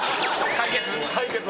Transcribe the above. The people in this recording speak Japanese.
解決。